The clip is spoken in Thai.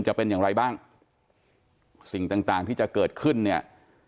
จะเป็นอย่างไรบ้างสิ่งต่างต่างที่จะเกิดขึ้นเนี่ย